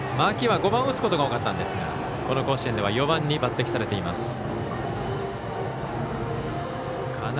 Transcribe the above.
秋は５番を打つことが多かったんですがこの甲子園では４番に抜てきされています。